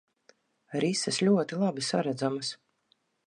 Rises ļoti labi saredzamas.